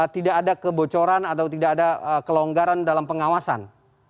tidak ada kebocoran atau tidak ada kelonggaran dalam pengawasan